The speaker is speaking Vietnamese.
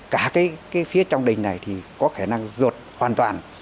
cả cái phía trong đình này thì có khả năng rột hoàn toàn